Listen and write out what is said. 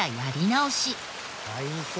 大変。